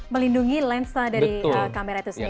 melindungi lensa dari kamera itu sendiri